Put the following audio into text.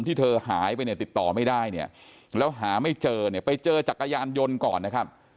ที่เธอหายไปเนี่ยติดต่อไม่ได้เนี่ยแล้วหาไม่เจอเนี่ยไปเจอจักรยานยนต์ก่อนนะครับ